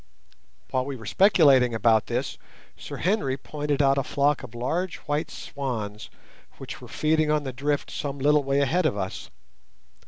Whilst we were speculating about this, Sir Henry pointed out a flock of large white swans, which were feeding on the drift some little way ahead of us.